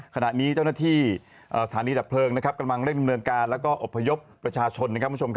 ขณะนี้เจ้าหน้าที่สถานีดับเพลิงกำลังเร่งดำเนินการแล้วก็อบพยพประชาชน